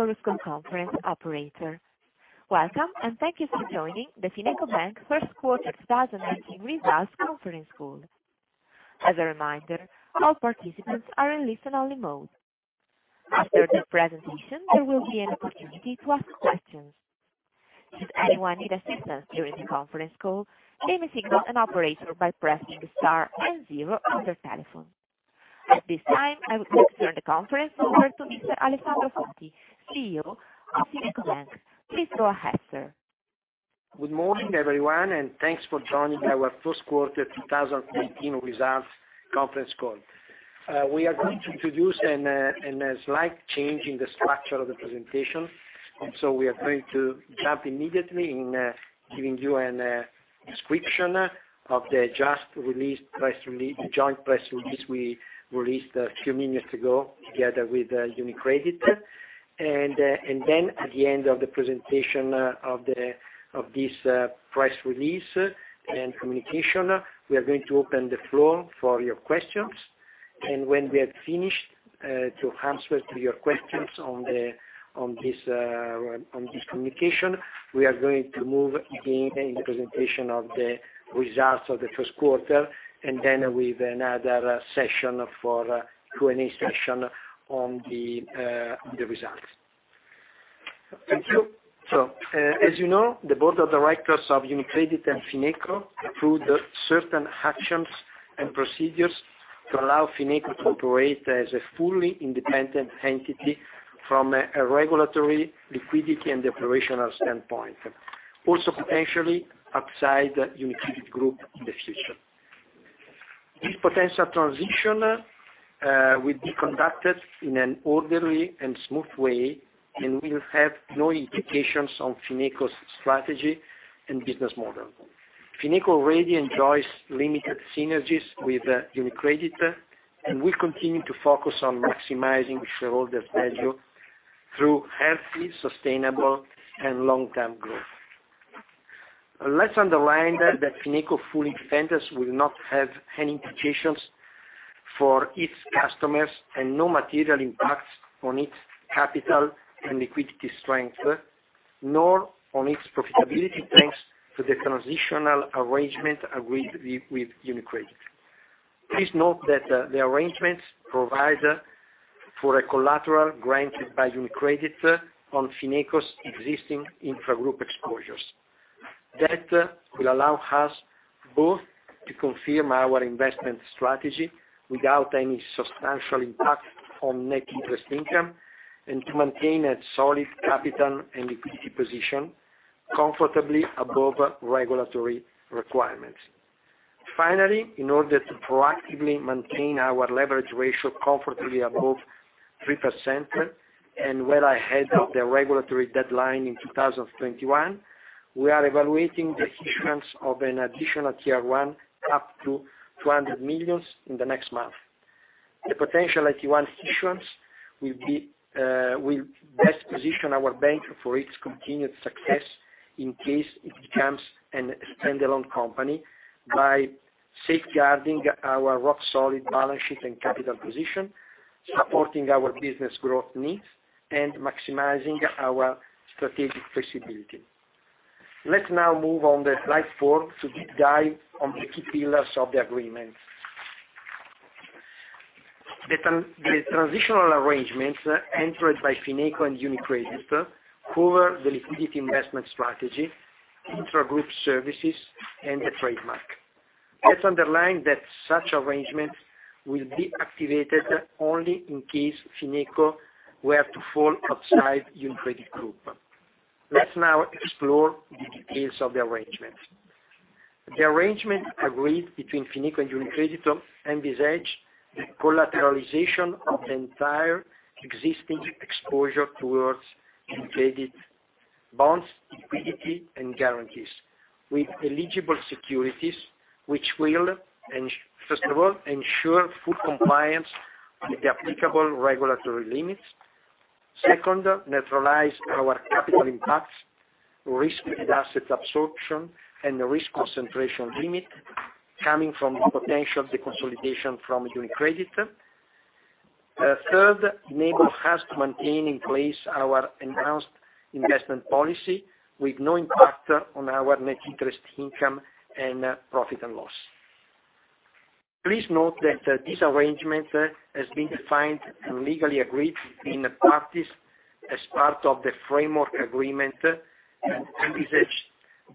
Good morning. This is the Chorus Call conference operator. Welcome, and thank you for joining the FinecoBank first quarter 2019 results conference call. As a reminder, all participants are in listen only mode. After the presentation, there will be an opportunity to ask questions. If anyone needs assistance during the conference call, they may signal an operator by pressing Star and 0 on their telephone. At this time, I would like to turn the conference over to Mr. Alessandro Foti, CEO of FinecoBank Bank. Please go ahead, sir. Good morning, everyone, and thanks for joining our first quarter 2019 results conference call. We are going to introduce a slight change in the structure of the presentation. We are going to jump immediately in giving you a description of the just released joint press release we released a few minutes ago, together with UniCredit. Then at the end of the presentation of this press release and communication, we are going to open the floor for your questions. When we have finished to answer to your questions on this communication, we are going to move again in the presentation of the results of the first quarter, and then with another Q&A session on the results. Thank you. As you know, the board of directors of UniCredit and FinecoBank approved certain actions and procedures to allow FinecoBank to operate as a fully independent entity from a regulatory, liquidity, and operational standpoint. Also potentially outside the UniCredit group in the future. This potential transition will be conducted in an orderly and smooth way, and will have no implications on FinecoBank's strategy and business model. FinecoBank already enjoys limited synergies with UniCredit, and will continue to focus on maximizing shareholder value through healthy, sustainable, and long-term growth. Let's underline that FinecoBank fully independent will not have any implications for its customers and no material impacts on its capital and liquidity strength, nor on its profitability, thanks to the transitional arrangement agreed with UniCredit. Please note that the arrangements provide for a collateral granted by UniCredit on FinecoBank's existing intra-group exposures. That will allow us both to confirm our investment strategy without any substantial impact on net interest income, and to maintain a solid capital and liquidity position comfortably above regulatory requirements. Finally, in order to proactively maintain our leverage ratio comfortably above 3% and well ahead of the regulatory deadline in 2021, we are evaluating the issuance of an additional Tier 1 up to 200 million in the next month. The potential AT1 issuance will best position our bank for its continued success in case it becomes an standalone company by safeguarding our rock solid balance sheet and capital position, supporting our business growth needs, and maximizing our strategic flexibility. Let's now move on the slide four to deep dive on the key pillars of the agreement. The transitional arrangements entered by FinecoBank and UniCredit cover the liquidity investment strategy, intra-group services, and the trademark. Let's underline that such arrangements will be activated only in case FinecoBank were to fall outside UniCredit group. Let's now explore the details of the arrangement. The arrangement agreed between FinecoBank and UniCredit envisage the collateralization of the entire existing exposure towards UniCredit bonds, liquidity, and guarantees with eligible securities, which will, first of all, ensure full compliance with the applicable regulatory limits. Second, naturalize our capital impacts, risk assets absorption, and the risk concentration limit coming from potential deconsolidation from UniCredit. Third, enable us to maintain in place our enhanced investment policy with no impact on our net interest income and profit and loss. Please note that this arrangement has been defined and legally agreed between the parties as part of the framework agreement, and envisage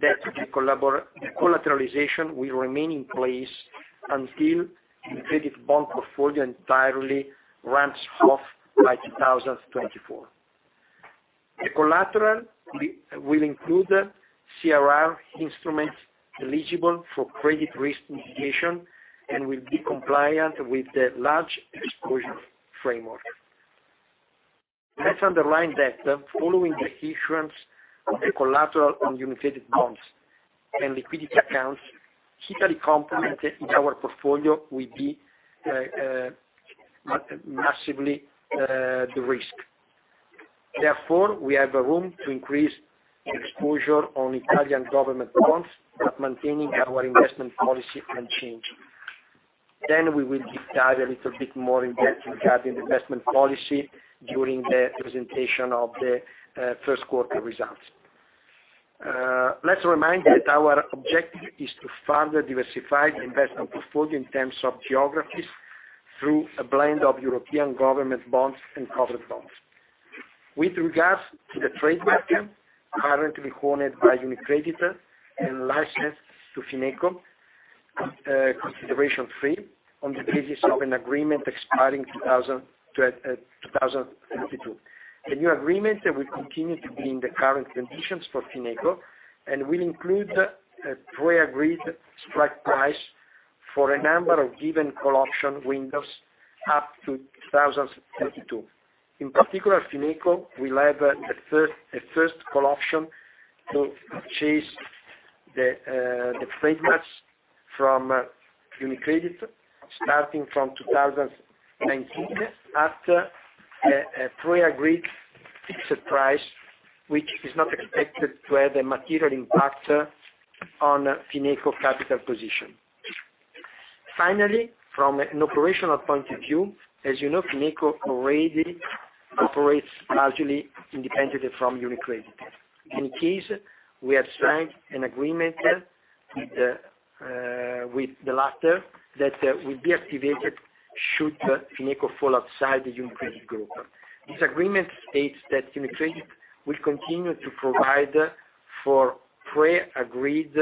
that the collateralization will remain in place until UniCredit bond portfolio entirely runs off by 2024. The collateral will include CRR instruments eligible for credit risk mitigation and will be compliant with the large exposure framework. Let's underline that following the issuance of the collateral on UniCredit bonds and liquidity accounts, Italy component in our portfolio will be massively de-risked. We have a room to increase the exposure on Italian government bonds while maintaining our investment policy unchanged. We will dive a little bit more in depth regarding investment policy during the presentation of the first quarter results. Let's remind that our objective is to further diversify the investment portfolio in terms of geographies through a blend of European government bonds and covered bonds. With regards to the trade match currently cornered by UniCredit and licensed to FinecoBank consideration free on the basis of an agreement expiring 2022. The new agreement that will continue to be in the current conditions for FinecoBank, and will include a pre-agreed strike price for a number of given call option windows up to 2032. In particular, FinecoBank will have a first call option to chase the trade match from UniCredit starting from 2019 at a pre-agreed fixed price, which is not expected to have a material impact on FinecoBank capital position. Finally, from an operational point of view, as you know, FinecoBank already operates largely independently from UniCredit. We have signed an agreement with the latter that will be activated should FinecoBank fall outside the UniCredit group. This agreement states that UniCredit will continue to provide for pre-agreed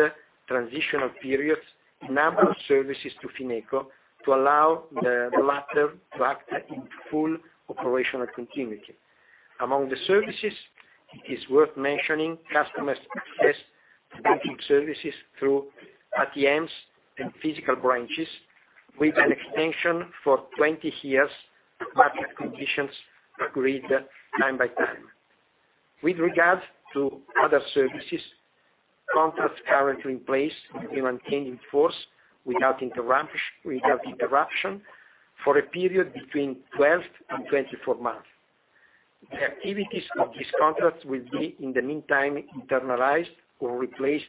transitional periods, number of services to FinecoBank to allow the latter to act in full operational continuity. Among the services, it is worth mentioning customer success banking services through ATMs and physical branches with an extension for 20 years, market conditions agreed time by time. With regards to other services, contracts currently in place will maintain in force without interruption for a period between 12 and 24 months. The activities of this contract will be, in the meantime, internalized or replaced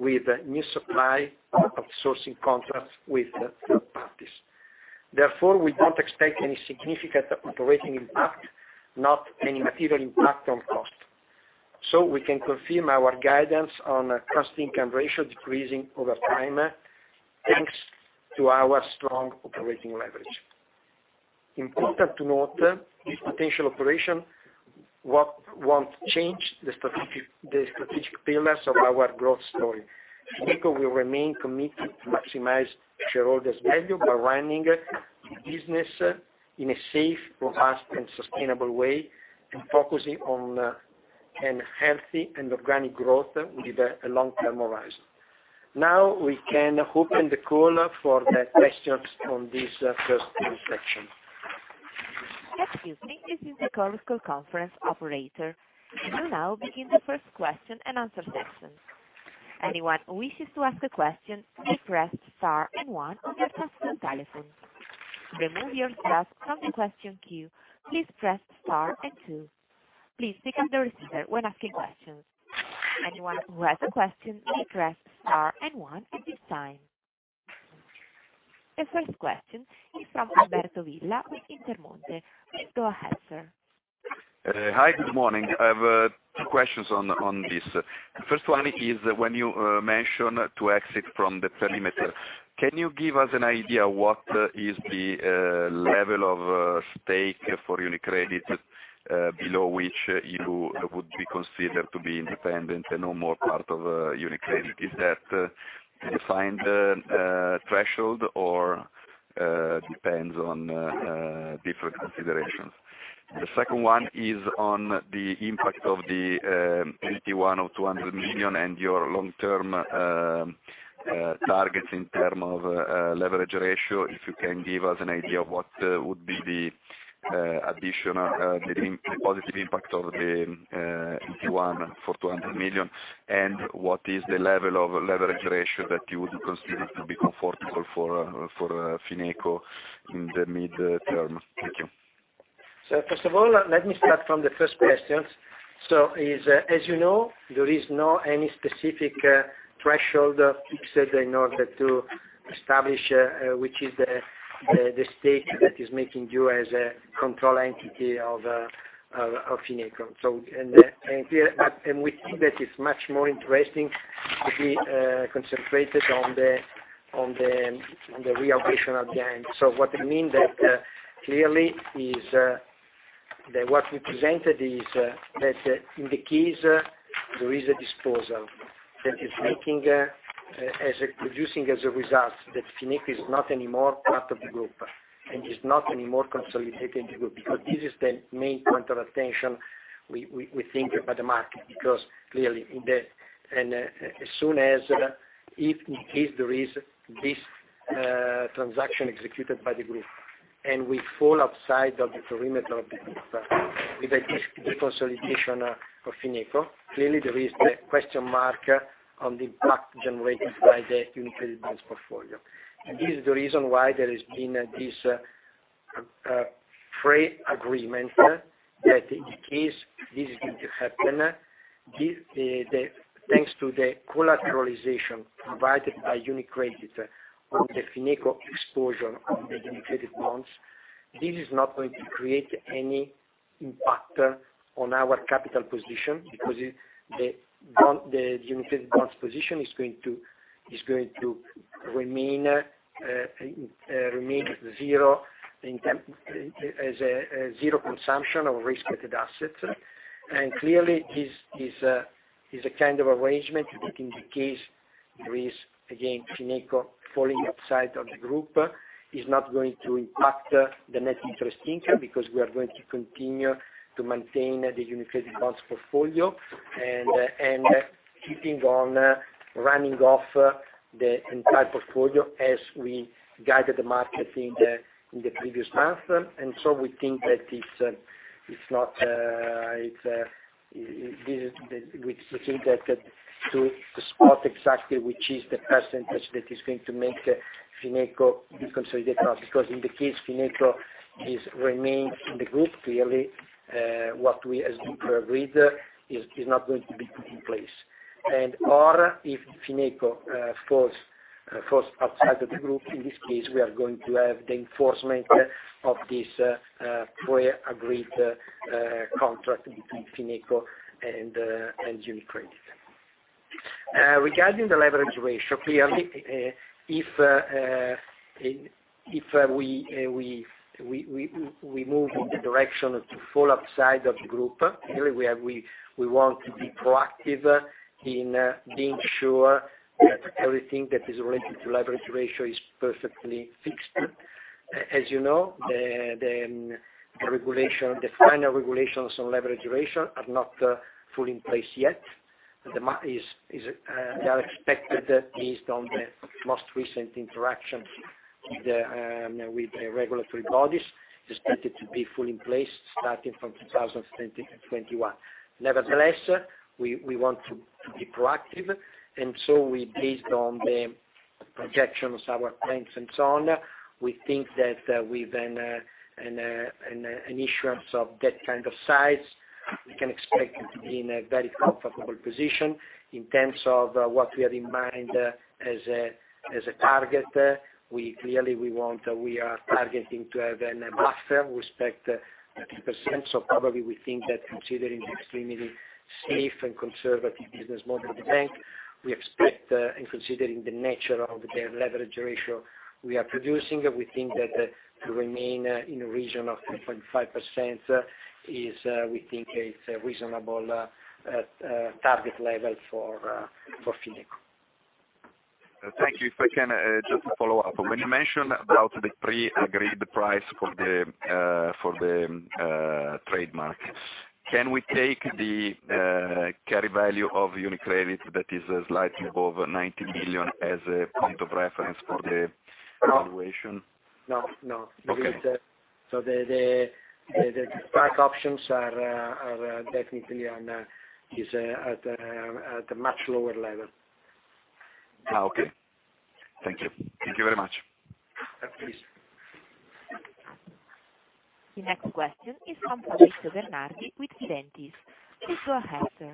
with new supply of sourcing contracts with third parties. We don't expect any significant operating impact, not any material impact on cost. We can confirm our guidance on cost-income ratio decreasing over time, thanks to our strong operating leverage. Important to note, this potential operation won't change the strategic pillars of our growth story. FinecoBank will remain committed to maximize shareholders value by running business in a safe, robust, and sustainable way, and focusing on a healthy and organic growth with a long-term horizon. We can open the call for the questions on this first section. Excuse me, this is the conference call operator. We will now begin the first question and answer session. Anyone who wishes to ask a question, please press star and one on your customer telephone. To remove yourself from the question queue, please press star and two. Please pick up the receiver when asking questions. Anyone who has a question, please press star and one at this time. The first question is from Alberto Villa with Intermonte. Go ahead, sir. Hi, good morning. I have two questions on this. First one is, when you mention to exit from the perimeter, can you give us an idea what is the level of stake for UniCredit, below which you would be considered to be independent and no more part of UniCredit? Is that a defined threshold or depends on different considerations? The second one is on the impact of the AT1 for 200 million and your long-term targets in term of leverage ratio. If you can give us an idea of what would be the additional positive impact of the AT1 for 200 million, and what is the level of leverage ratio that you would consider to be comfortable for FinecoBank in the midterm? Thank you. First of all, let me start from the first questions. As you know, there is no any specific threshold fixed in order to establish which is the state that is making you as a control entity of FinecoBank. We think that it's much more interesting to be concentrated on the reoperational gain. What I mean clearly is that what we presented is that in the case there is a disposal, that is producing as a result that FinecoBank is not anymore part of the group and is not anymore consolidated in the group. This is the main point of attention we think about the market. Clearly, as soon as if in case there is this transaction executed by the group and we fall outside of the perimeter of the group with a deconsolidation of FinecoBank, clearly there is the question mark on the impact generated by the UniCredit portfolio. This is the reason why there has been this pre-agreement that in case this is going to happen, thanks to the collateralization provided by UniCredit of the FinecoBank exposure on the UniCredit bonds, this is not going to create any impact on our capital position because the UniCredit bonds position is going to remain as a zero consumption of risk-weighted assets. Clearly, this is a kind of arrangement that in the case there is, again, FinecoBank falling outside of the group, is not going to impact the net interest income because we are going to continue to maintain the UniCredit bonds portfolio and keeping on running off the entire portfolio as we guided the market in the previous months. We think that to spot exactly which is the percentage that is going to make FinecoBank be consolidated or not, because in the case FinecoBank remains in the group, clearly, what we as group agreed is not going to be put in place. Or if FinecoBank falls outside of the group, in this case, we are going to have the enforcement of this pre-agreed contract between FinecoBank and UniCredit. Regarding the leverage ratio, clearly, if we move in the direction to fall outside of the group, clearly we want to be proactive in being sure that everything that is related to leverage ratio is perfectly fixed. As you know, the final regulations on leverage ratio are not fully in place yet. They are expected based on the most recent interaction with the regulatory bodies, expected to be fully in place starting from 2021. Nevertheless, we want to be proactive. Based on the projections, our plans and so on, we think that with an issuance of that kind of size, we can expect to be in a very comfortable position. In terms of what we have in mind as a target, clearly we are targeting to have a buffer with respect to 10%. Probably we think that considering the extremely safe and conservative business model of the bank, considering the nature of the leverage ratio we are producing, we think that to remain in a region of 3.5%, we think it's a reasonable target level for FinecoBank. Thank you. If I can, just to follow up. When you mention about the pre-agreed price for the trademark, can we take the carry value of UniCredit that is slightly above 90 million as a point of reference for the evaluation? No. Okay. The stock options are definitely at a much lower level. Okay. Thank you. Thank you very much. Please. The next question is from Fabrizio Bernardi with Fidentiis. Please go ahead, sir.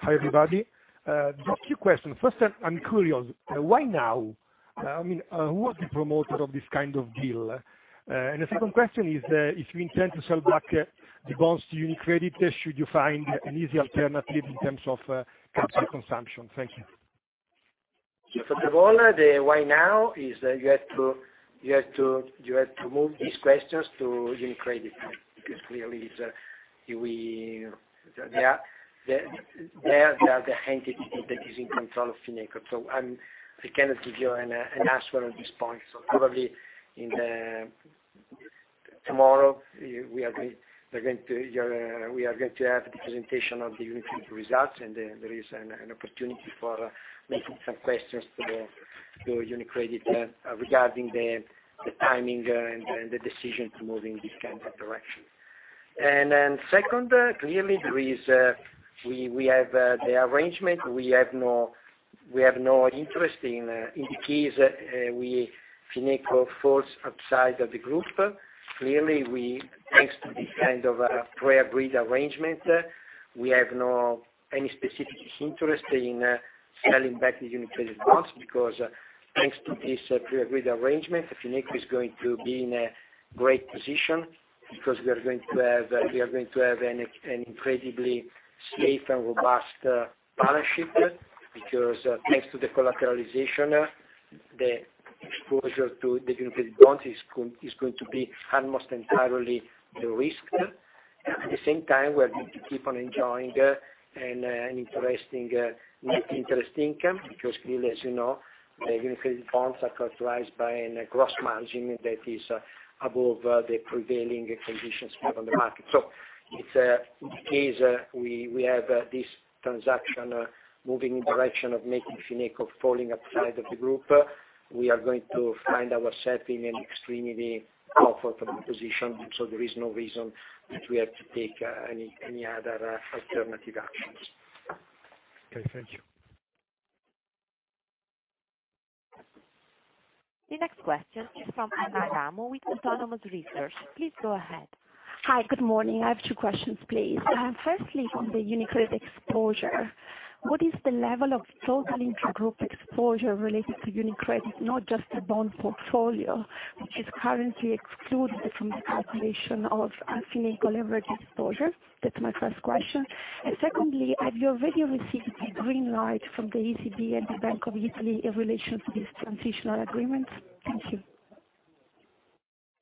Hi, everybody. Just two questions. First, I'm curious, why now? Who was the promoter of this kind of deal? The second question is, if you intend to sell back the bonds to UniCredit, should you find an easy alternative in terms of capital consumption? Thank you. First of all, the why now, is you have to move these questions to UniCredit because clearly they are the entity that is in control of FinecoBank. I cannot give you an answer on this point. Probably tomorrow, we are going to have the presentation of the UniCredit results, and there is an opportunity for making some questions to UniCredit regarding the timing and the decision to move in this kind of direction. Second, clearly, we have the arrangement. We have no interest in the case FinecoBank falls outside of the group. Clearly, thanks to this kind of pre-agreed arrangement, we have not any specific interest in selling back the UniCredit bonds because thanks to this pre-agreed arrangement, FinecoBank is going to be in a great position because we are going to have an incredibly safe and robust partnership because thanks to the collateralization, the exposure to the UniCredit bonds is going to be almost entirely de-risked. At the same time, we are going to keep on enjoying an interesting net interest income, because clearly, as you know, the UniCredit bonds are characterized by a gross margin that is above the prevailing conditions we have on the market. In the case we have this transaction moving in direction of making FinecoBank falling outside of the group, we are going to find ourselves in an extremely comfortable position. There is no reason that we have to take any other alternative actions. Okay. Thank you. The next question is from Anna Lemoine with Autonomous Research. Please go ahead. Hi. Good morning. I have two questions, please. Firstly, on the UniCredit exposure, what is the level of total intragroup exposure related to UniCredit, not just the bond portfolio, which is currently excluded from the calculation of Fineco leverage exposure? That's my first question. Secondly, have you already received a green light from the ECB and the Bank of Italy in relation to this transitional agreement? Thank you.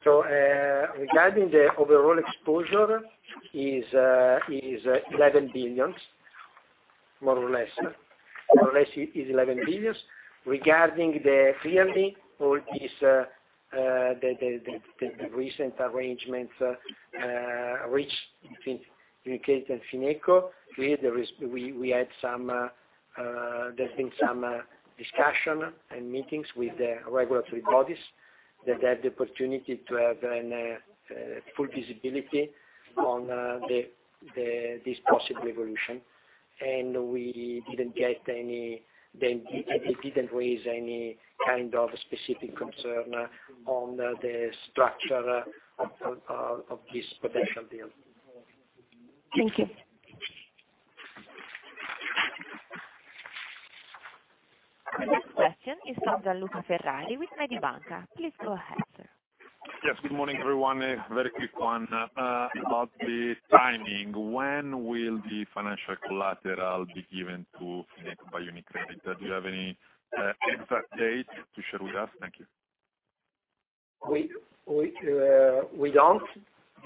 Regarding the overall exposure, is 11 billion, more or less. More or less is 11 billion. Regarding the clearly all the recent arrangements reached between UniCredit and FinecoBank, there's been some discussion and meetings with the regulatory bodies that had the opportunity to have full visibility on this possible evolution, and they didn't raise any kind of specific concern on the structure of this potential deal. Thank you. The next question is from Gianluca Ferrari with Mediobanca. Please go ahead, sir. Yes, good morning, everyone. A very quick one about the timing. When will the financial collateral be given to FinecoBank by UniCredit? Do you have any exact date to share with us? Thank you. We don't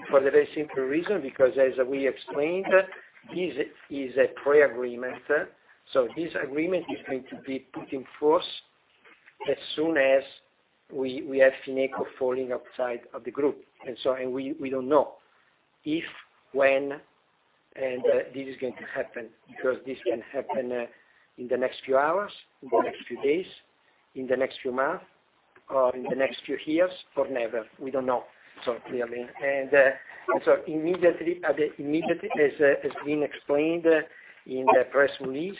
for the very simple reason, because as we explained, this is a pre-agreement. This agreement is going to be put in force as soon as we have FinecoBank falling outside of the group, we don't know if, when, and this is going to happen, because this can happen in the next few hours, in the next few days, in the next few months, or in the next few years, or never. We don't know, clearly. Immediately as has been explained in the press release,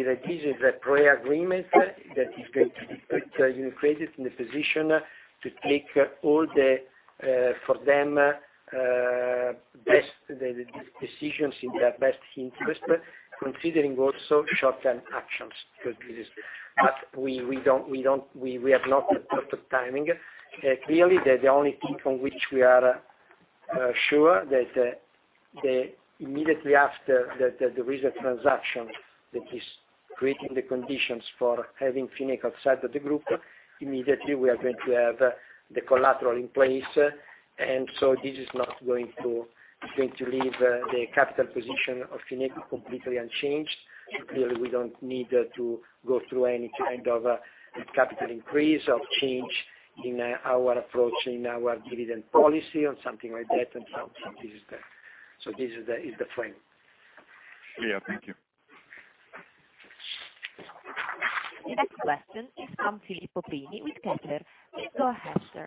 that this is a pre-agreement that is going to be put UniCredit in a position to take all the, for them, decisions in their best interest, considering also short-term actions. We have not talked of timing. Clearly, the only thing on which we are sure that immediately after there is a transaction that is creating the conditions for having FinecoBank outside of the group, immediately we are going to have the collateral in place. This is going to leave the capital position of FinecoBank completely unchanged. Clearly, we don't need to go through any kind of a capital increase or change in our approach, in our dividend policy, or something like that, this is that. This is the frame. Clear. Thank you. The next question is from Filippo Pini with Kepler. Please go ahead, sir.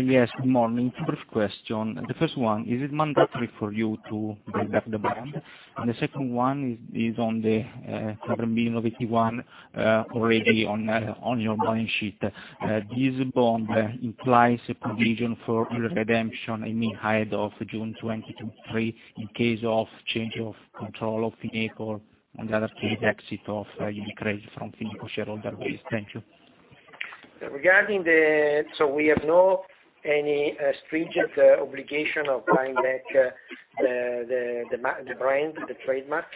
Yes, good morning. Two brief questions. The first one, is it mandatory for you to buy back the brand? The second one is on the 7 billion of AT1 already on your balance sheet. This bond implies a provision for early redemption, I mean, ahead of June 2023, in case of change of control of FinecoBank, on the other three, exit of UniCredit from FinecoBank shareholder base. Thank you. We have not any stringent obligation of buying back the brand, the trademark.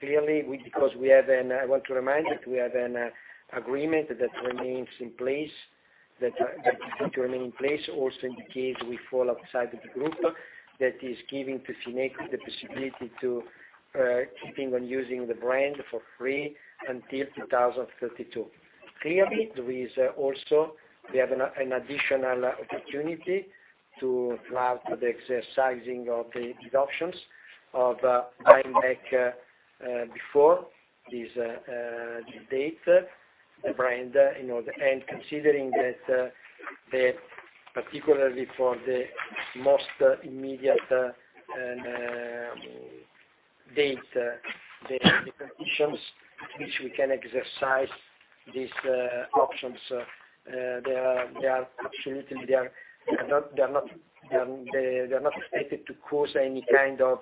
Clearly because I want to remind that we have an agreement that is going to remain in place also in the case we fall outside of the group, that is giving to FinecoBank the possibility to keeping on using the brand for free until 2032. Clearly, there is also, we have an additional opportunity to have the exercising of the options of buying back before this date, the brand. Considering that particularly for the most immediate date, the conditions which we can exercise these options, they are not expected to cause any kind of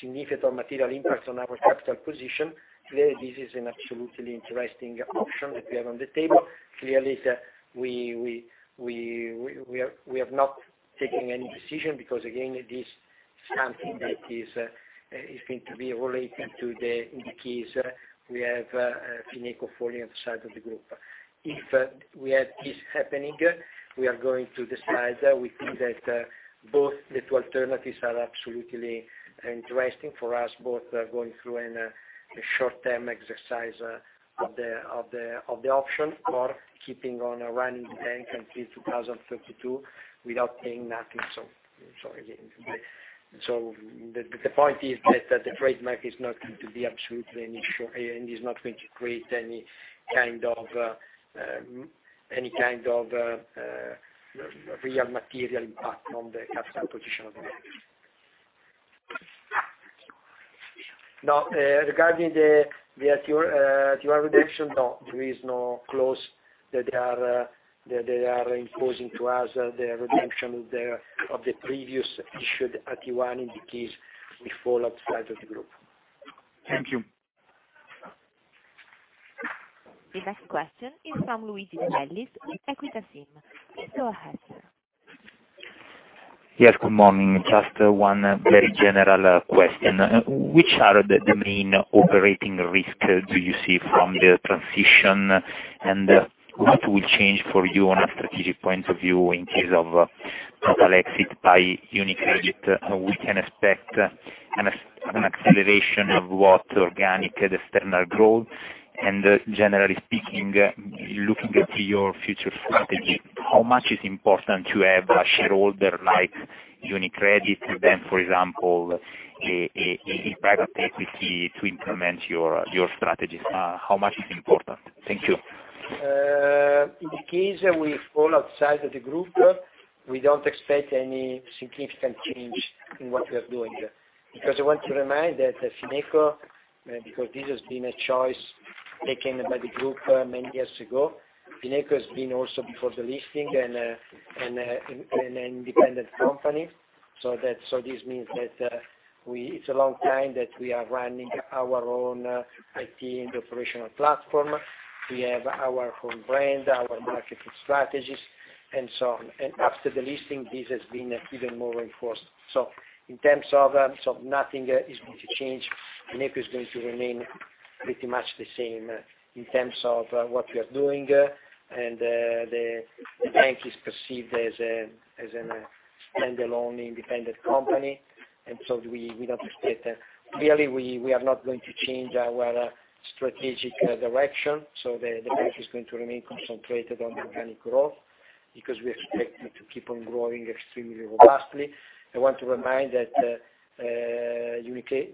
significant material impact on our capital position. Clearly, this is an absolutely interesting option that we have on the table. Clearly, we have not taken any decision because again, this is something that is going to be related to the case we have FinecoBank falling outside of the group. If we have this happening, we are going to decide. We think that both the two alternatives are absolutely interesting for us, both going through a short-term exercise of the option or keeping on running the bank until 2032 without paying nothing. Again, the point is that the trademark is not going to be absolutely an issue, and is not going to create any kind of real material impact on the capital position of the bank. Now, regarding the AT1 redemption, no, there is no clause that they are imposing to us the redemption of the previous issued AT1 indicates we fall outside of the group. Thank you. The next question is from Luigi De Bellis with Equita SIM. Please go ahead, sir. Yes, good morning. Just one very general question. Which are the main operating risks do you see from the transition, and what will change for you on a strategic point of view in case of total exit by UniCredit? We can expect an acceleration of what organic and external growth. Generally speaking, looking at your future strategy, how much is important to have a shareholder like UniCredit than, for example, a private equity to implement your strategies? How much is important? Thank you. In the case we fall outside of the group, we don't expect any significant change in what we are doing. I want to remind that FinecoBank, because this has been a choice taken by the group many years ago, FinecoBank has been also before the listing, an independent company. This means that it's a long time that we are running our own IT and operational platform. We have our own brand, our marketing strategies and so on. After the listing, this has been even more reinforced. In terms of, nothing is going to change. FinecoBank is going to remain pretty much the same in terms of what we are doing, and the bank is perceived as a standalone independent company. We don't expect. Clearly, we are not going to change our strategic direction. The bank is going to remain concentrated on organic growth because we are expecting to keep on growing extremely robustly. I want to remind that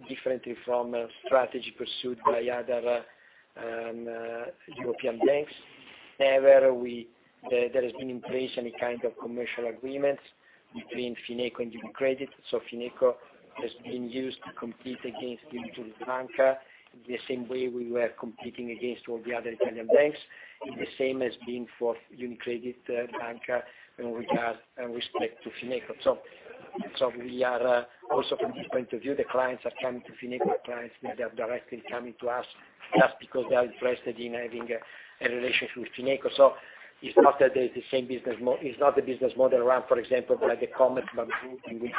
differently from strategy pursued by other European banks, never there has been in place any kind of commercial agreements between FinecoBank and UniCredit. FinecoBank has been used to compete against UniCredit Bank the same way we were competing against all the other Italian banks. The same has been for UniCredit Bank with respect to FinecoBank. We are also from this point of view, the clients are coming to FinecoBank, clients, they are directly coming to us just because they are interested in having a relationship with FinecoBank. It's not the business model around, for example, like the Commerzbank group in which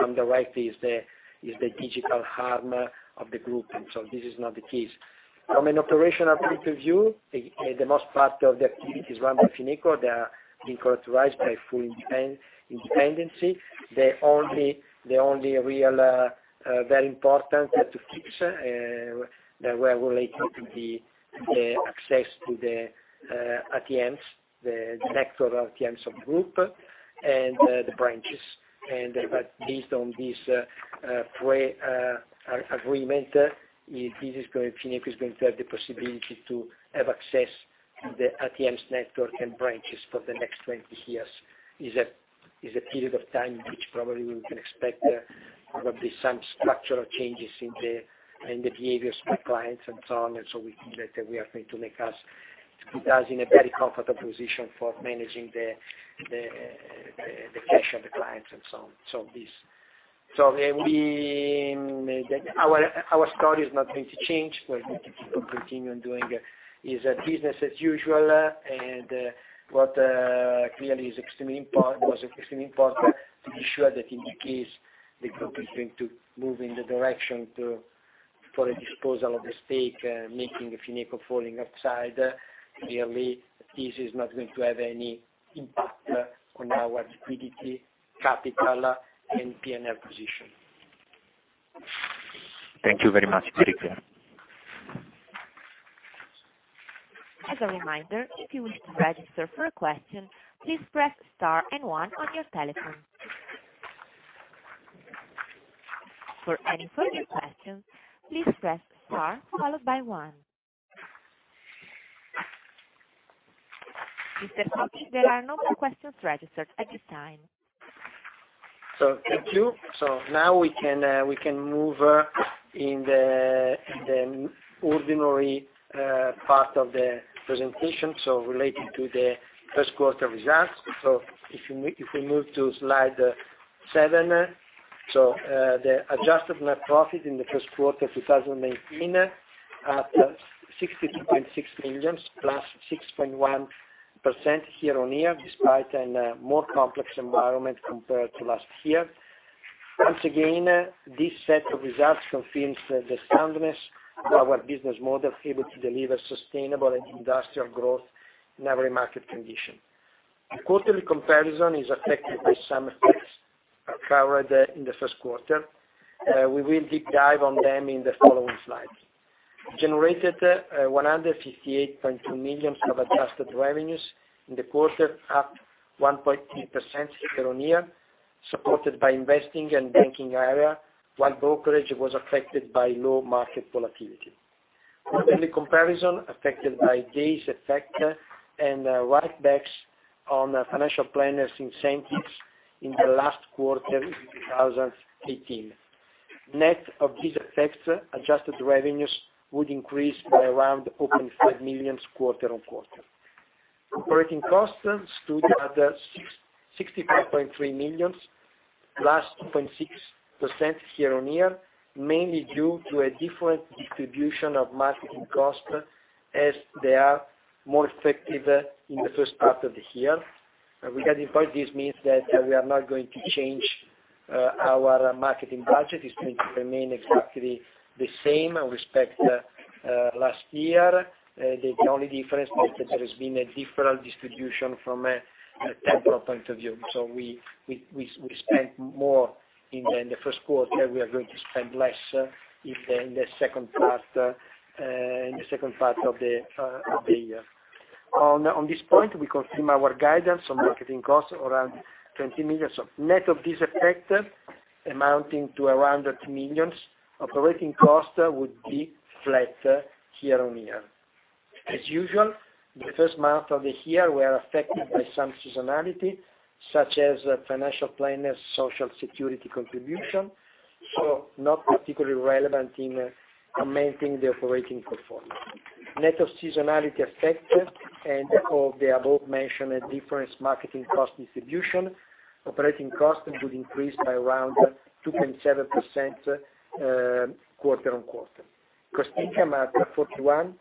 Comdirect is the digital arm of the group. This is not the case. From an operational point of view, the most part of the activities run by FinecoBank, they are being characterized by full independency. The only real very important to fix that were relating to the access to the ATMs, the network of ATMs of group and the branches. Based on this agreement, FinecoBank is going to have the possibility to have access to the ATMs network and branches for the next 20 years. It is a period of time in which probably we can expect probably some structural changes in the behaviors of the clients and so on. We think that we are going to make us in a very comfortable position for managing the cash of the clients, and so on. Our story is not going to change. We're going to keep on continuing doing business as usual. What clearly was extremely important to be sure that in the case the group is going to move in the direction for a disposal of the stake, making FinecoBank falling outside. Clearly, this is not going to have any impact on our liquidity, capital, and P&L position. Thank you very much. As a reminder, if you wish to register for a question, please press star and one on your telephone. For any further questions, please press star followed by one. Mr. Foti, there are no more questions registered at this time. Thank you. Now we can move in the ordinary part of the presentation, relating to the first quarter results. If we move to slide seven. The adjusted net profit in the first quarter 2018 at EUR 62.6 million, +6.1% year-on-year, despite a more complex environment compared to last year. Once again, this set of results confirms the soundness of our business model, able to deliver sustainable and industrial growth in every market condition. The quarterly comparison is affected by some effects covered in the first quarter. We will deep dive on them in the following slides. Generated 158.2 million of adjusted revenues in the quarter at 1.2% year-on-year, supported by investing and banking area, while brokerage was affected by low market volatility. And the comparison affected by days effect and write-backs on financial planners' incentives in the last quarter in 2018. Net of these effects, adjusted revenues would increase by around 0.5 million quarter-on-quarter. Operating costs stood at 65.3 million, +2.6% year-on-year, mainly due to a different distribution of marketing costs, as they are more effective in the first part of the year. Regarding costs, this means that we are not going to change our marketing budget. It's going to remain exactly the same with respect to last year. The only difference is that there has been a different distribution from a temporal point of view. We spent more in the first quarter. We are going to spend less in the second part of the year. On this point, we confirm our guidance on marketing costs around 20 million. Net of this effect, amounting to around 100 million of operating costs would be flat year-on-year. As usual, the first month of the year, we are affected by some seasonality, such as financial planners' social security contribution, not particularly relevant in amending the operating performance. Net of seasonality effect and of the above mentioned difference marketing cost distribution, operating costs would increase by around 2.7% quarter-on-quarter. Cost-income ratio at 41%,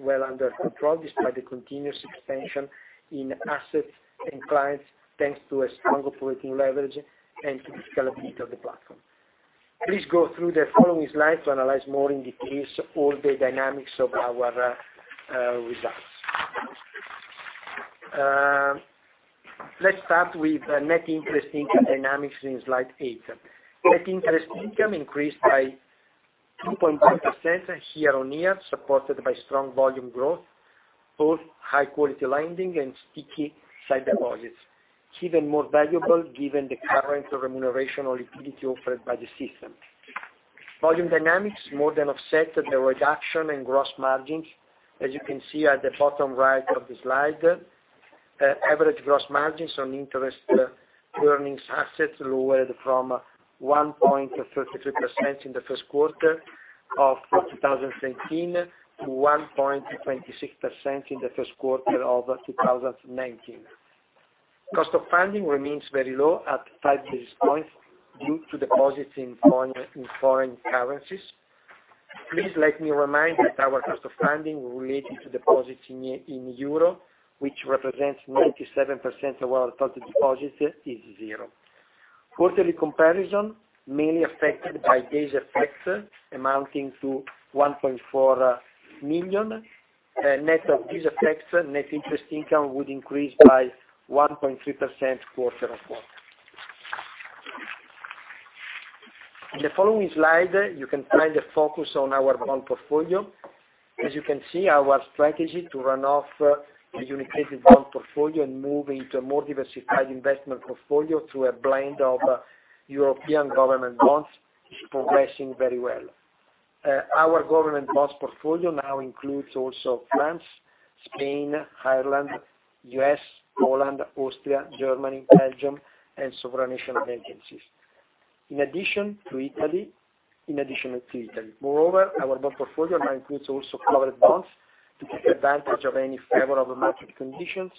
well under control, despite the continued expansion in assets and clients thanks to a stronger operating leverage and to the scalability of the platform. Please go through the following slides to analyze more in detail all the dynamics of our results. Let's start with net interest income dynamics in slide eight. Net interest income increased by 2.1% year-on-year, supported by strong volume growth, both high quality lending and sticky site deposits. It's even more valuable given the current remuneration on liquidity offered by the system. Volume dynamics more than offset the reduction in gross margins. As you can see at the bottom right of the slide, average gross margins on interest earnings assets lowered from 1.33% in the first quarter of 2017 to 1.26% in the first quarter of 2019. Cost of funding remains very low at five basis points due to deposits in foreign currencies. Please let me remind that our cost of funding related to deposits in EUR, which represents 97% of our total deposits, is zero. Quarterly comparison, mainly affected by days effect amounting to 1.4 million. Net of these effects, net interest income would increase by 1.3% quarter-on-quarter. In the following slide, you can find the focus on our bond portfolio. As you can see, our strategy to run off the UniCredit bond portfolio and move into a more diversified investment portfolio through a blend of European government bonds is progressing very well. Our government bonds portfolio now includes also France, Spain, Ireland, U.S., Poland, Austria, Germany, Belgium, and sovereign national agencies. In addition to Italy. Moreover, our bond portfolio now includes also covered bonds to take advantage of any favorable market conditions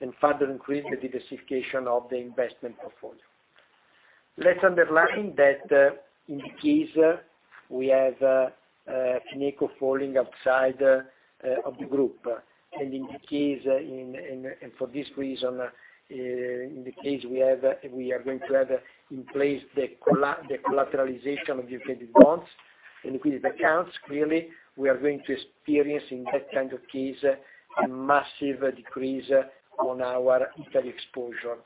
and further increase the diversification of the investment portfolio. Let's underline that in the case we have FinecoBank falling outside of the group, and for this reason, in the case we are going to have in place the collateralization of UniCredit bonds and liquidity accounts, clearly, we are going to experience, in that kind of case, a massive decrease on our Italy exposure.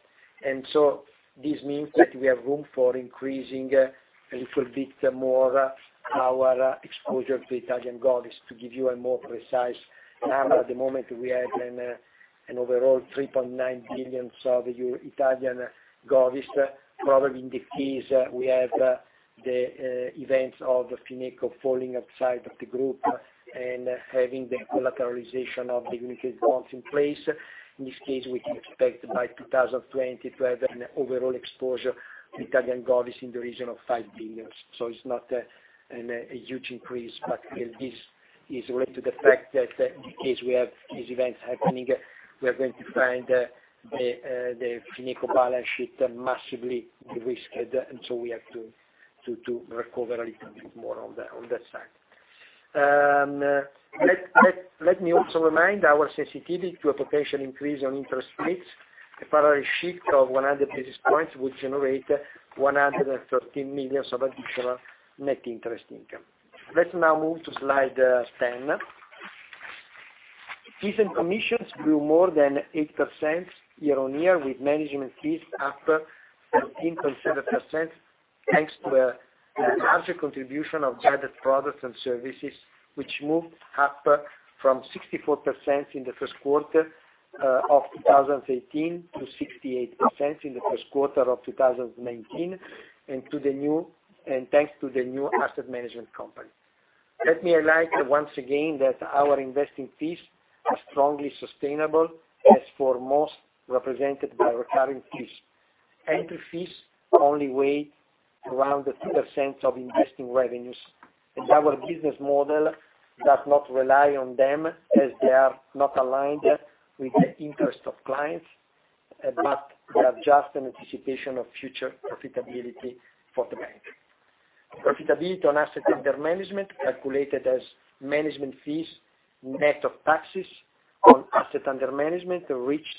This means that we have room for increasing a little bit more our exposure to Italian Govies. To give you a more precise number, at the moment, we have an overall 3.9 billion of Italian Govies. Probably in the case we have the events of FinecoBank falling outside of the group and having the collateralization of the UniCredit bonds in place, in this case, we can expect by 2020 to have an overall exposure to Italian Govies in the region of 5 billion. It's not a huge increase, but this is related to the fact that in case we have these events happening, we are going to find the FinecoBank balance sheet massively de-risked, and so we have to recover a little bit more on that side. Let me also remind our sensitivity to a potential increase on interest rates. A parallel shift of 100 basis points would generate 113 million of additional net interest income. Let's now move to slide 10. Fees and commissions grew more than 8% year-on-year, with management fees up 13.7% thanks to a larger contribution of guided products and services, which moved up from 64% in the first quarter of 2018 to 68% in the first quarter of 2019, and thanks to the new Fineco Asset Management. Let me highlight once again that our investing fees are strongly sustainable, as for most represented by recurring fees. Entry fees only weigh around 2% of investing revenues, and our business model does not rely on them as they are not aligned with the interest of clients, but they are just an anticipation of future profitability for the bank. Profitability on assets under management, calculated as management fees, net of taxes on assets under management, reached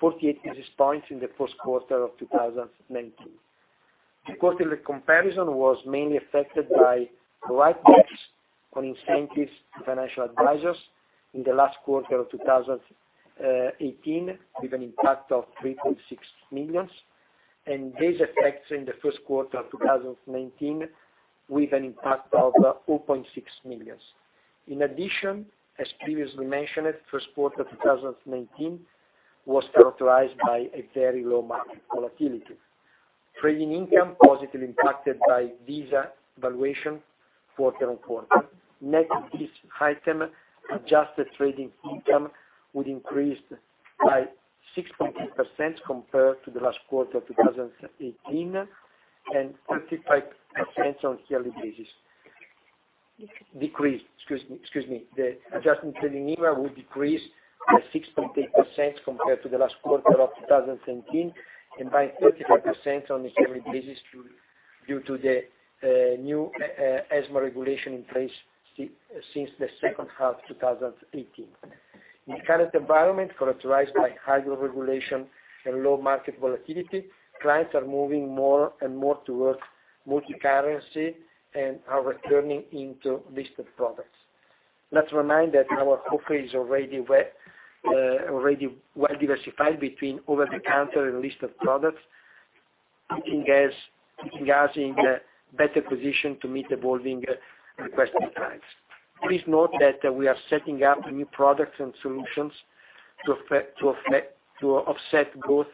48 basis points in the first quarter of 2019. The quarterly comparison was mainly affected by right mix on incentives to financial advisors in the last quarter of 2018, with an impact of 3.6 million, and these effects in the first quarter of 2019, with an impact of 4.6 million. In addition, as previously mentioned, first quarter 2019 was characterized by a very low market volatility. Trading income positively impacted by Visa valuation quarter-on-quarter. Net of this item, adjusted trading income would increase by 6.8% compared to the last quarter of 2018 and 35% on a yearly basis. Decreased, excuse me. The adjusted trading number would decrease by 6.8% compared to the last quarter of 2017, and by 35% on a yearly basis due to the new ESMA regulation in place since the second half 2018. In the current environment, characterized by higher regulation and low market volatility, clients are moving more and more towards multi-currency and are returning into listed products. Let's remind that our offer is already well diversified between over-the-counter and listed products, putting us in a better position to meet evolving requests from clients. Please note that we are setting up new products and solutions to offset both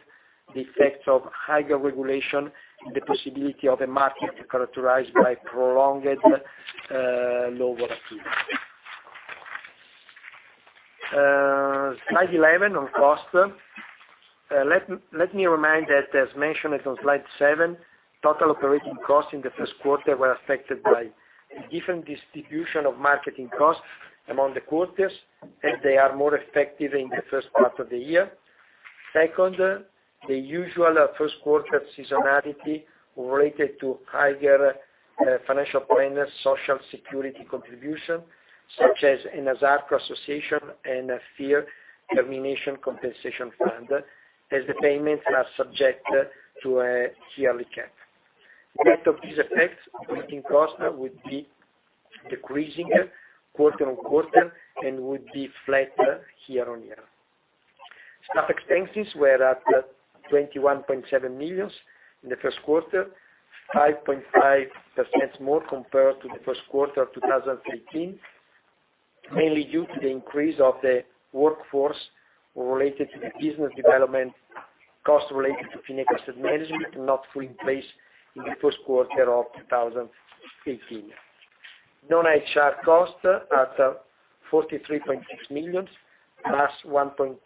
the effects of higher regulation and the possibility of a market characterized by prolonged low volatility. Slide 11 on costs. Let me remind that as mentioned on slide seven, total operating costs in the first quarter were affected by a different distribution of marketing costs among the quarters, and they are more effective in the first part of the year. Second, the usual first quarter seasonality related to higher financial planners' social security contribution, such as Fondazione ENASARCO and FIRR termination compensation fund, as the payments are subject to a yearly cap. Net of these effects, operating costs would be decreasing quarter-on-quarter and would be flat year-on-year. Staff expenses were at 21.7 million in the first quarter, 5.5% more compared to the first quarter of 2018, mainly due to the increase of the workforce related to the business development costs related to Fineco Asset Management not fully in place in the first quarter of 2018. Non-HR costs at EUR 43.6 million, plus 1.2%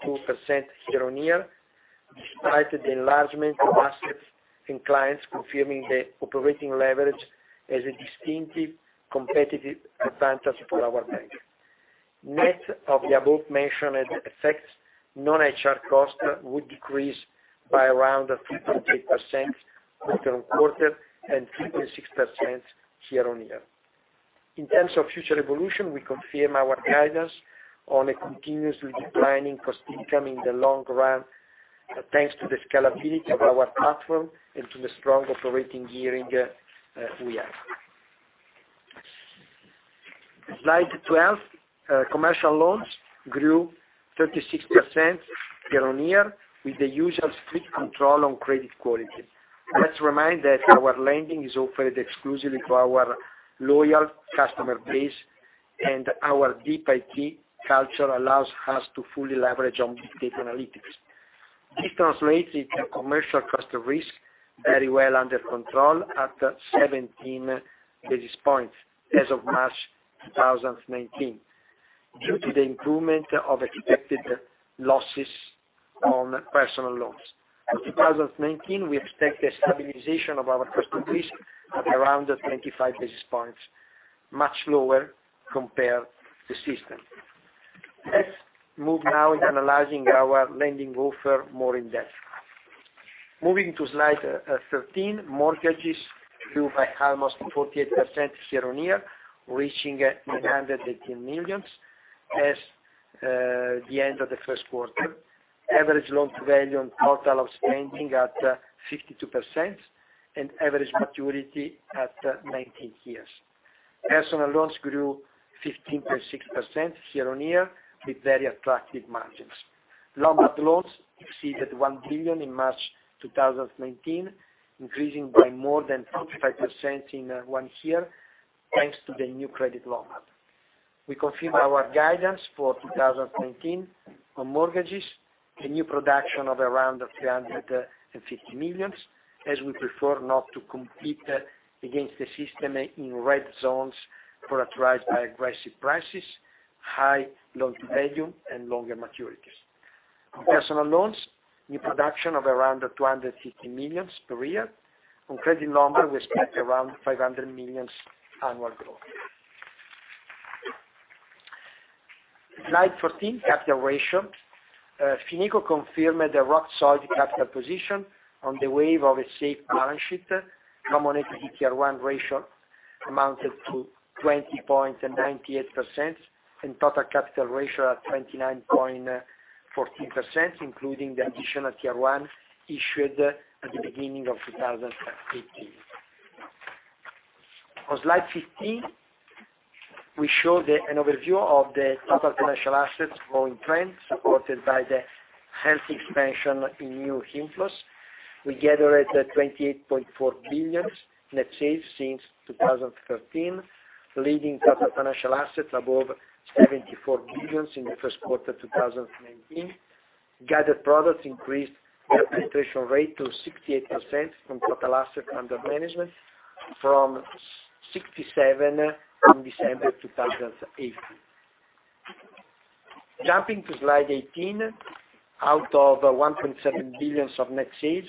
year-on-year, despite the enlargement of assets and clients confirming the operating leverage as a distinctive competitive advantage for our bank. Net of the above mentioned effects, non-HR costs would decrease by around 3.8% quarter-on-quarter and 3.6% year-on-year. In terms of future evolution, we confirm our guidance on a continuously declining cost-income in the long run, thanks to the scalability of our platform and to the strong operating gearing we have. Slide 12, commercial loans grew 36% year-on-year with the usual strict control on credit quality. Let's remind that our lending is offered exclusively to our loyal customer base, and our deep IT culture allows us to fully leverage on big data analytics. This translates into commercial cost of risk very well under control at 17 basis points as of March 2019, due to the improvement of expected losses on personal loans. For 2019, we expect the stabilization of our cost of risk at around 25 basis points, much lower compared to system. Let's move now in analyzing our lending offer more in depth. Moving to slide 13, mortgages grew by almost 48% year-on-year, reaching 918 million as the end of the first quarter. Average loan to value on total outstanding at 52% and average maturity at 19 years. Personal loans grew 15.6% year-on-year with very attractive margins. Lombard loans exceeded 1 billion in March 2019, increasing by more than 35% in one year. Thanks to the new Credit Lombard. We confirm our guidance for 2019 on mortgages, a new production of around 350 million, as we prefer not to compete against the system in red zones characterized by aggressive prices, high loan to value, and longer maturities. On personal loans, new production of around 250 million per year. On Credit Lombard, we expect around 500 million annual growth. Slide 14, capital ratio. FinecoBank confirmed the rock-solid capital position on the wave of a safe balance sheet. Common Equity Tier 1 ratio amounted to 20.98%, and total capital ratio at 29.14%, including the additional Tier 1 issued at the beginning of 2018. On slide 15, we show an overview of the total financial assets growing trend, supported by the healthy expansion in new inflows. We generated 28.4 billion net sales since 2013, leading total financial assets above 74 billion in the first quarter 2019. Gathered products increased their penetration rate to 68% of total assets under management from 67% in December 2018. Jumping to slide 18, out of 1.7 billion of net sales,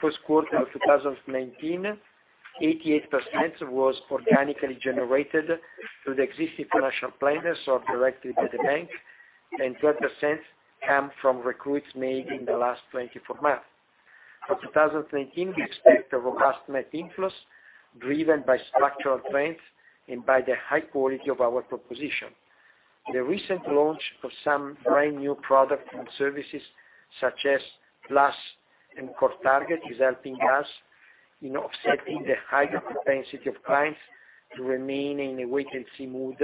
first quarter of 2019, 88% was organically generated through the existing financial planners or directly by the bank, and 12% came from recruits made in the last 24 months. For 2019, we expect a robust net inflows driven by structural trends and by the high quality of our proposition. The recent launch of some brand-new product and services, such as Plus and Core Target, is helping us in offsetting the higher propensity of clients to remain in a wait-and-see mood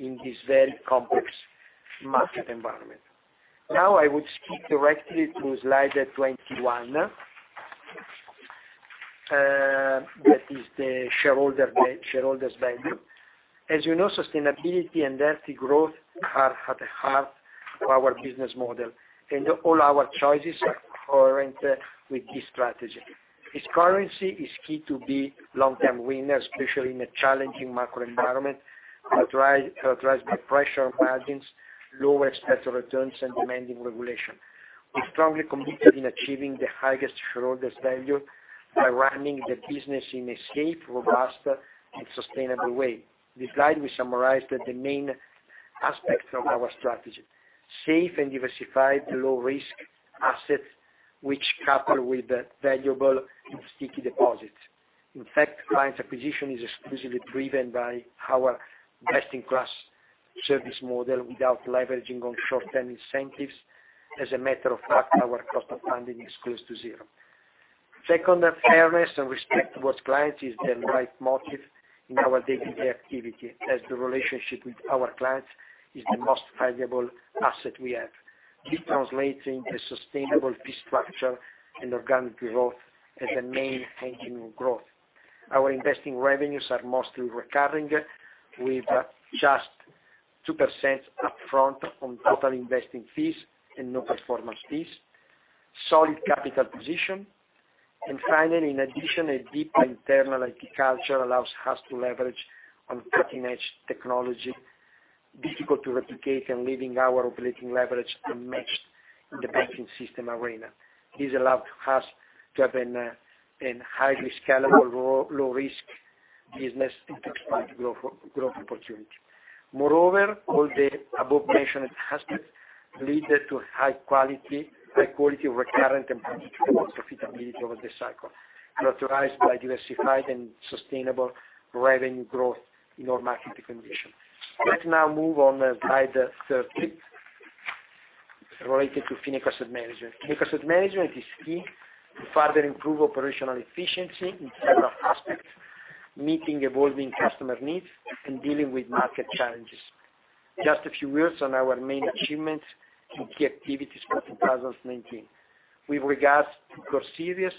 in this very complex market environment. Now I will speak directly to slide 21. That is the shareholders' value. As you know, sustainability and healthy growth are at the heart of our business model, and all our choices are current with this strategy. This currency is key to be long-term winners, especially in a challenging macro environment characterized by pressure on margins, lower expected returns, and demanding regulation. We're strongly committed in achieving the highest shareholder value by running the business in a safe, robust, and sustainable way. This slide will summarize the main aspects of our strategy. Safe and diversified low-risk assets, which coupled with valuable and sticky deposits. In fact, client acquisition is exclusively driven by our best-in-class service model without leveraging on short-term incentives. As a matter of fact, our cost of funding is close to zero. Second, fairness and respect towards clients is the right motive in our day-to-day activity, as the relationship with our clients is the most valuable asset we have. This translates into sustainable fee structure and organic growth as the main engine of growth. Our investing revenues are mostly recurring, with just 2% up front on total investing fees and no performance fees. Solid capital position. Finally, in addition, a deep internal IT culture allows us to leverage on cutting-edge technology, difficult to replicate, and leaving our operating leverage unmatched in the banking system arena. This allows us to have a highly scalable, low-risk business and expand growth opportunity. Moreover, all the above-mentioned aspects lead to high-quality, recurring, and predictable profitability over the cycle, characterized by diversified and sustainable revenue growth in all market conditions. Let's now move on to slide 30, related to FinecoBank Asset Management. FinecoBank Asset Management is key to further improve operational efficiency in several aspects, meeting evolving customer needs and dealing with market challenges. Just a few words on our main achievements in key activities for 2019. With regards to Core Series,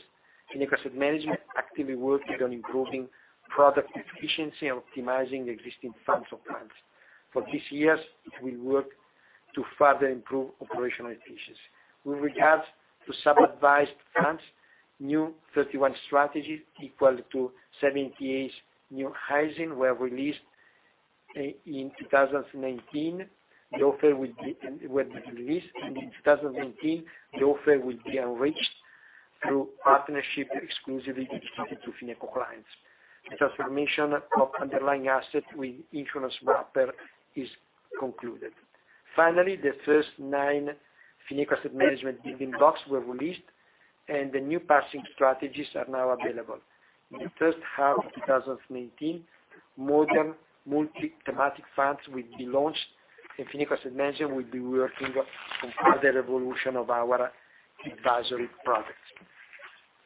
FinecoBank Asset Management actively worked on improving product efficiency and optimizing the existing funds for clients. For this year, we work to further improve operational efficiency. With regards to sub-advised funds, new 31 strategies equal to 78 new ISINs were released in 2019. The offer will be released, and in 2019, the offer will be enriched through partnership exclusively dedicated to FinecoBank clients. The transformation of underlying asset with insurance wrapper is concluded. Finally, the first nine FinecoBank Asset Management living box were released, and the new passive strategies are now available. In the first half of 2019, more multi-thematic funds will be launched, and FinecoBank Asset Management will be working on further evolution of our advisory products.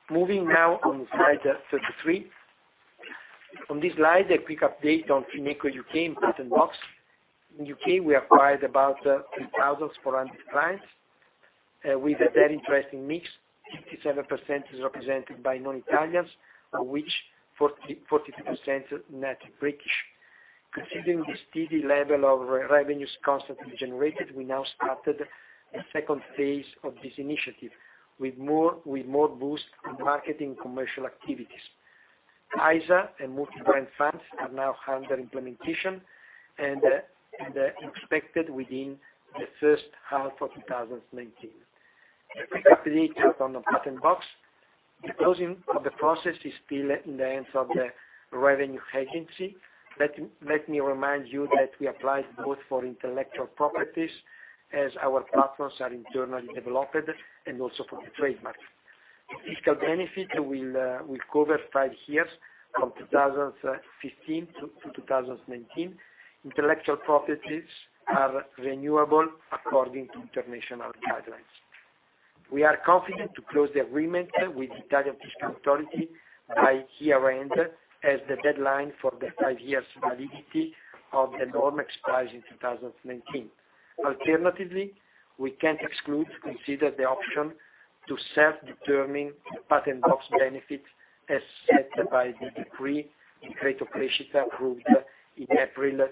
Moving now on slide 33. On this slide, a quick update on FinecoBank U.K. in patent box. In U.K., we acquired about 3,400 clients. With a very interesting mix, 57% is represented by non-Italians, of which 42% are native British. Considering the steady level of revenues constantly generated, we now started a phase 2 of this initiative with more boost in marketing commercial activities. ISA and multi-brand funds are now under implementation and are expected within the first half of 2019. Quickly, just on the patent box. The closing of the process is still in the hands of the revenue agency. Let me remind you that we applied both for intellectual properties, as our platforms are internally developed, and also for the trademarks. The fiscal benefit will cover five years, from 2015 to 2019. Intellectual properties are renewable according to international guidelines. We are confident to close the agreement with Italian fiscal authority by year end, as the deadline for the five years validity of the norm expires in 2019. Alternatively, we cannot exclude, consider the option to self-determine the patent box benefit as set by the decree in Decreto Crescita, approved in April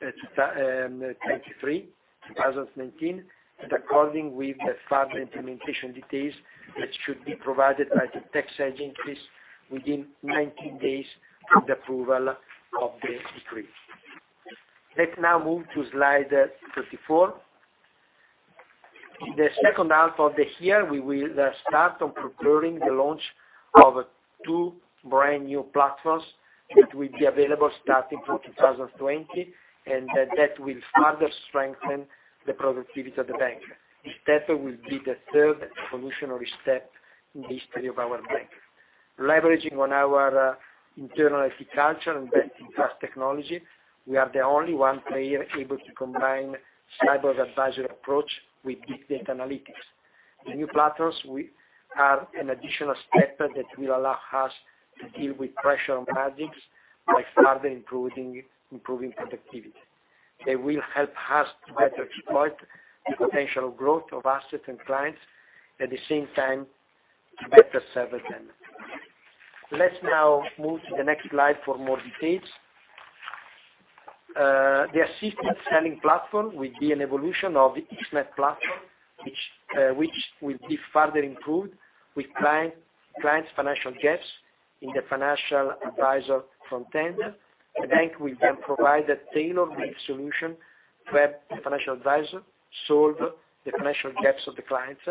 23, 2019, and according with the further implementation details that should be provided by the tax agencies within 90 days of the approval of the decree. Let us now move to slide 34. In the second half of the year, we will start on preparing the launch of two brand new platforms that will be available starting from 2020, and that will further strengthen the productivity of the bank. This step will be the third evolutionary step in the history of our bank. Leveraging on our internal IT culture and best-in-class technology, we are the only one player able to combine cyborg advisor approach with big data analytics. The new platforms are an additional step that will allow us to deal with pressure on margins by further improving productivity. They will help us to better exploit the potential growth of assets and clients, at the same time, to better serve them. Let us now move to the next slide for more details. The assisted selling platform will be an evolution of the X-Net platform, which will be further improved with clients' financial gaps in the financial advisor front end. The bank will then provide a tailored solution to help the financial advisor solve the financial gaps of the clients.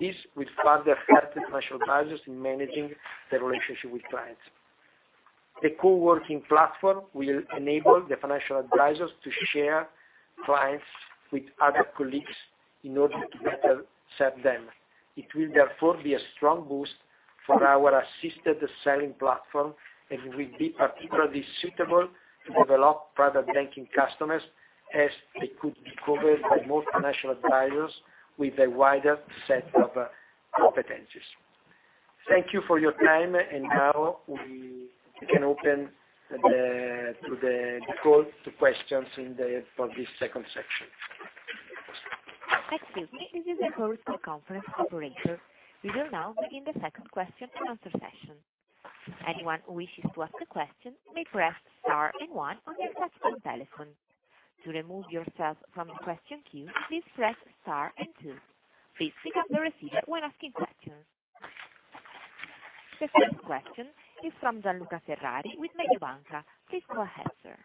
This will further help the financial advisors in managing the relationship with clients. The coworking platform will enable the financial advisors to share clients with other colleagues in order to better serve them. It will therefore be a strong boost for our assisted selling platform and will be particularly suitable to develop private banking customers as they could be covered by more financial advisors with a wider set of competencies. Thank you for your time, and now we can open the call to questions for this second section. Excuse me. This is a call from the conference operator. We will now begin the second question and answer session. Anyone who wishes to ask a question may press star and one on your touchtone telephone. To remove yourself from the question queue, please press star and two. Please pick up the receiver when asking questions. The first question is from Gianluca Ferrari with Mediobanca. Please go ahead, sir.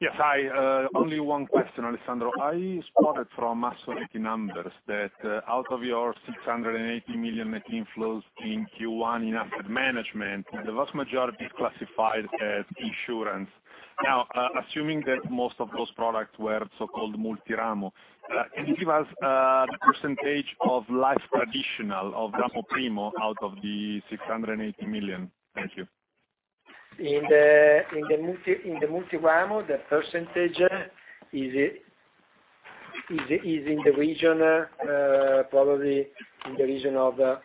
Yes, hi. Only one question, Alessandro. I spotted from Assoreti numbers that out of your 680 million net inflows in Q1 in asset management, the vast majority is classified as insurance. Now, assuming that most of those products were so-called multiramo, can you give us the percentage of life traditional, of Ramo I out of the 680 million? Thank you. In the multiramo, the percentage is probably in the region of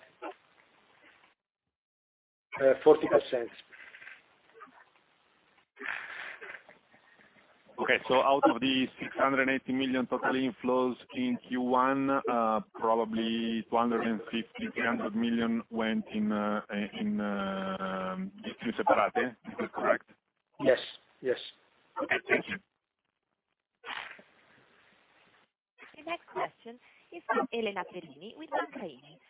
40%. Okay, out of the 680 million total inflows in Q1, probably 250 million-300 million went in separate. Is that correct? Yes. Okay, thank you. The next question is from Elena Perini with Intesa Sanpaolo. Please go ahead, madam.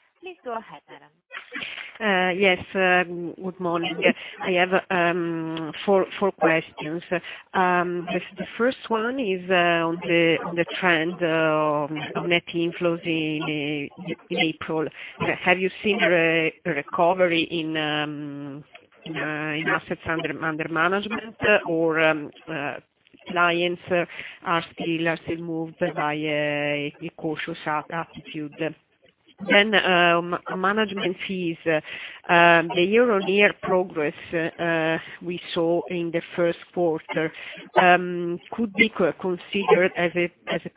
Yes, good morning. I have four questions. The first one is on the trend of net inflows in April. Have you seen a recovery in assets under management, or clients are still moved by a cautious attitude? Management fees. The year-over-year progress we saw in the first quarter could be considered as a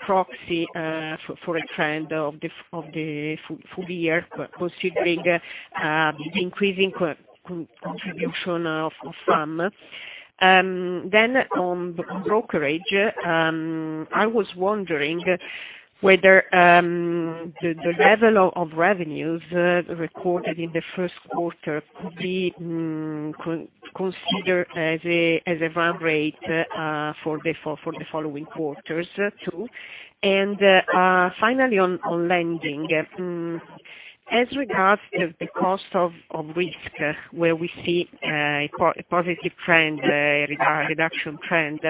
proxy for a trend of the full year, considering the increasing contribution of FAM. On the brokerage, I was wondering whether the level of revenues recorded in the first quarter could be considered as a run rate for the following quarters, too. Finally, on lending. As regards the cost of risk, where we see a positive trend, a reduction trend,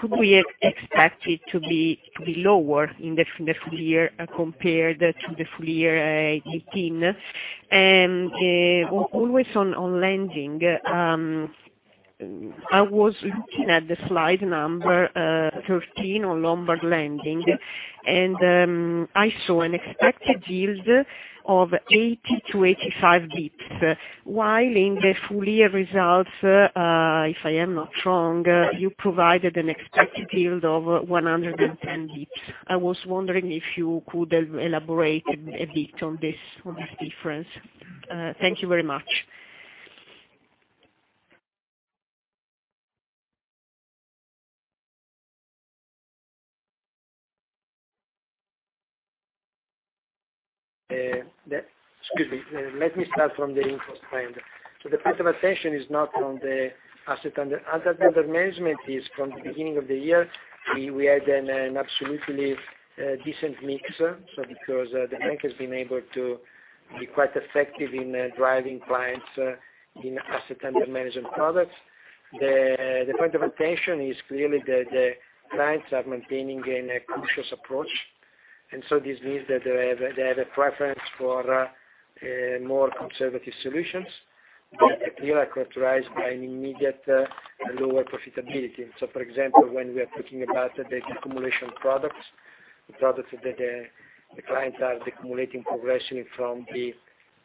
could we expect it to be lower in the full year compared to the full year 2018? Always on lending, I was looking at slide 13 on Lombard lending, and I saw an expected yield of 80-85 basis points. While in the full year results, if I am not wrong, you provided an expected yield of 110 basis points. I was wondering if you could elaborate a bit on this difference. Thank you very much. Excuse me. Let me start from the inflow trend. The point of attention is not on the asset under management, is from the beginning of the year, we had an absolutely decent mix. The bank has been able to be quite effective in driving clients in asset under management products. The point of attention is clearly the clients are maintaining a cautious approach. This means that they have a preference for more conservative solutions, clearly characterized by an immediate lower profitability. For example, when we are talking about the deaccumulation products, the products that the clients are deaccumulating progressively from the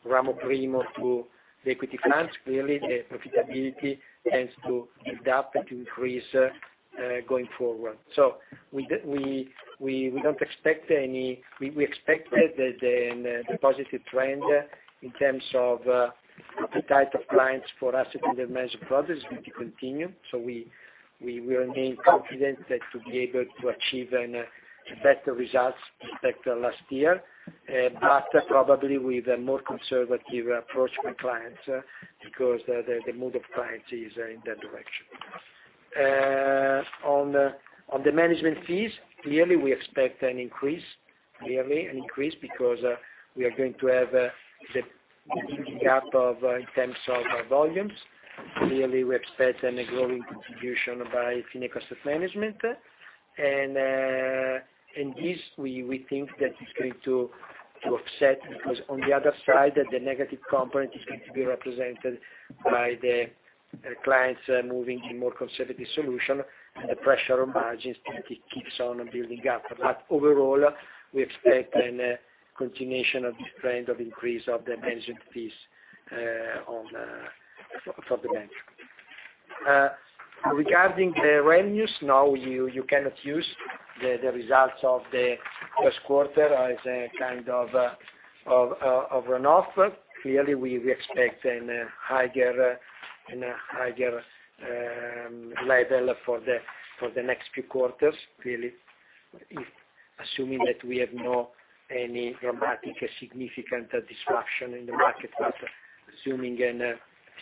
Ramo I to the equity clients, clearly the profitability tends to adapt and to increase going forward. We expect that the positive trend in terms of the type of clients for asset under management products is going to continue. We remain confident to be able to achieve better results than last year, probably with a more conservative approach with clients, because the mood of clients is in that direction. On the management fees, clearly we expect an increase. An increase because we are going to have the gap in terms of volumes. Clearly, we expect a growing contribution by Fineco Asset Management. This, we think that it's going to offset, because on the other side, the negative component is going to be represented by the clients moving to more conservative solution, and the pressure on margins keeps on building up. Overall, we expect a continuation of this trend of increase of the management fees for the bank. Regarding the revenues, now you cannot use the results of the first quarter as a kind of run rate. We expect a higher level for the next few quarters. Assuming that we have not any dramatic significant disruption in the market, but assuming a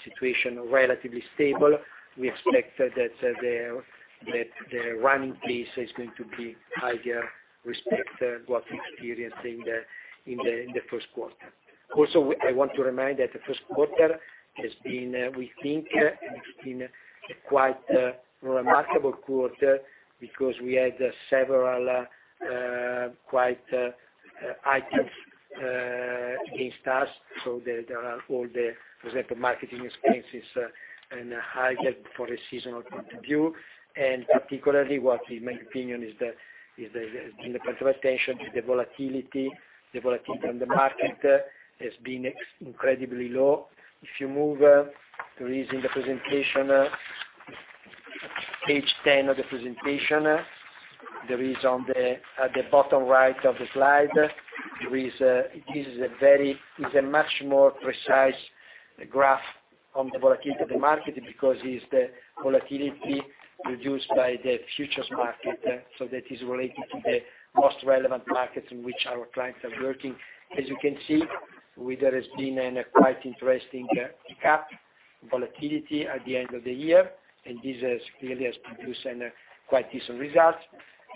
situation relatively stable, we expect that the run increase is going to be higher respect what we experienced in the first quarter. I want to remind that the first quarter has been, we think, a quite remarkable quarter because we had several quite items against us. There are all the, for example, marketing expenses and higher for a seasonal point of view. Particularly what in my opinion is the point of attention is the volatility. The volatility on the market has been incredibly low. If you move, there is in the presentation, page 10 of the presentation. There is at the bottom right of the slide. It is a much more precise graph on the volatility of the market because it's the volatility reduced by the futures market. That is related to the most relevant markets in which our clients are working. As you can see, there has been a quite interesting pick up in volatility at the end of the year, this clearly has produced quite decent results.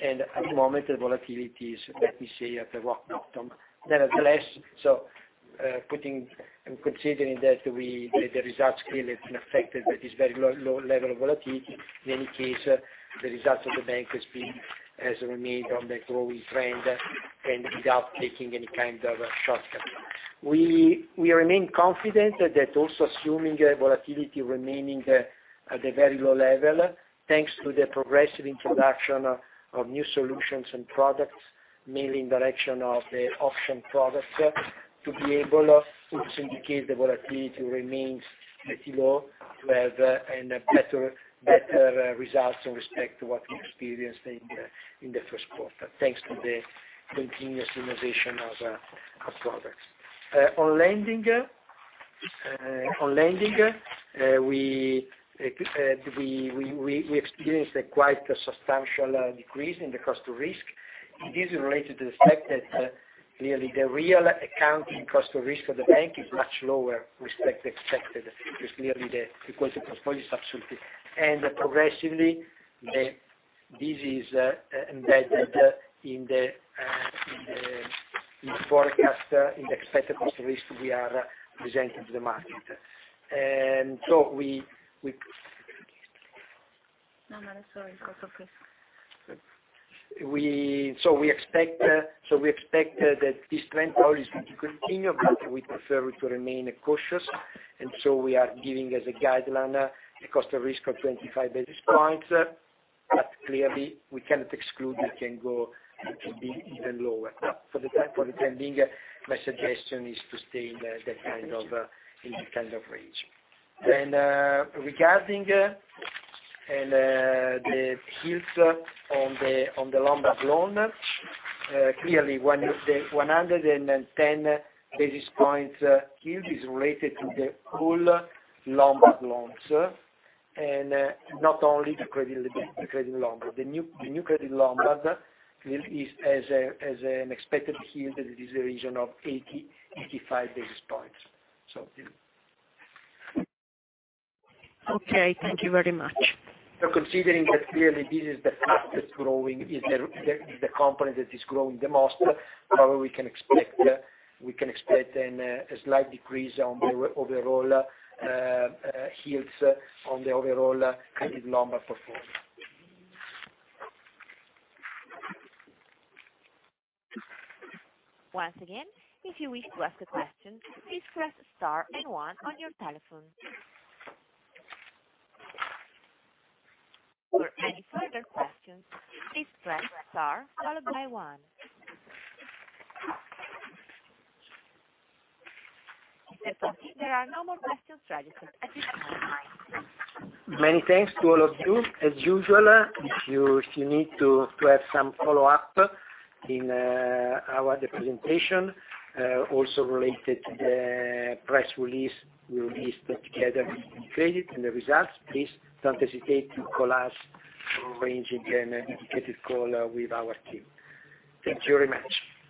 At the moment, the volatility is what we see at the bottom. Nevertheless, considering that the results clearly have been affected by this very low level of volatility. In any case, the results of the bank has remained on the growing trend without taking any kind of shortcut. We remain confident that also assuming volatility remaining at a very low level, thanks to the progressive introduction of new solutions and products, mainly in direction of the option products, to be able, if this indicates the volatility remains pretty low, to have better results in respect to what we experienced in the first quarter, thanks to the continuous innovation of products. On lending, we experienced a quite substantial decrease in the cost of risk. It is related to the fact that clearly the real accounting cost of risk of the bank is much lower with respect to expected, because clearly the quality of portfolio is absolutely. Progressively, this is embedded in the forecast, in the expected cost of risk we are presenting to the market. No, I'm sorry. Go for it. We expect that this trend always will continue. We prefer to remain cautious. We are giving as a guideline a cost of risk of 25 basis points. Clearly, we cannot exclude it can be even lower. For the time being, my suggestion is to stay in this kind of range. Regarding the yields on the Lombard loan, clearly 110 basis points yield is related to the whole Lombard loans, and not only the Credit Lombard. The new Credit Lombard has an expected yield that is in the region of 80, 85 basis points. Okay. Thank you very much. Considering that clearly this is the fastest growing, the component that is growing the most, however, we can expect then a slight decrease on the overall yields on the overall Credit Lombard performance. Once again, if you wish to ask a question, please press star and one on your telephone. For any further questions, please press star followed by one. It appears there are no more questions registered at this time. Many thanks to all of you. As usual, if you need to have some follow-up in our presentation, also related to the press release we released together with the credit and the results, please don't hesitate to call us to arrange a dedicated call with our team. Thank you very much.